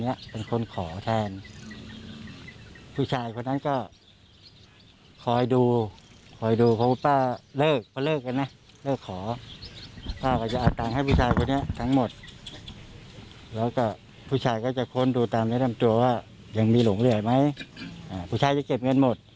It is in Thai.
ยังมีหลงหรือเปล่ามั้ยกูใช้จะเก็บเงินหมด